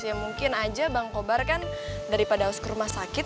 ya mungkin aja bang kobar kan daripada harus ke rumah sakit